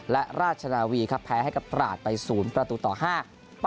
และราชนาวีแพ้กับปลาตสูตรประตูต่อห้า